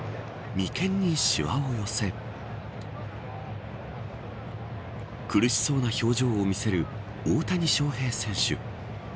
眉間にしわを寄せ苦しそうな表情を見せる大谷翔平選手。